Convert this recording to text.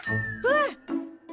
うん！